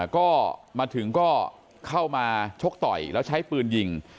ก็มาถึงก็เข้ามาชกต่อยแล้วใช้ปืนยิง